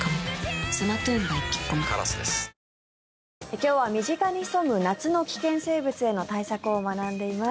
今日は身近に潜む夏の危険生物への対策を学んでいます。